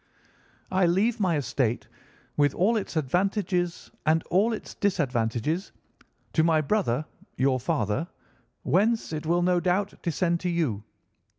I leave my estate, with all its advantages and all its disadvantages, to my brother, your father, whence it will, no doubt, descend to you.